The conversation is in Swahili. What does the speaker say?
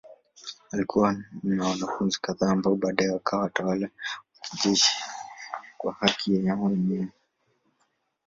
Alikuwa na wanafunzi kadhaa ambao baadaye wakawa watawala wa kijeshi kwa haki yao wenyewe.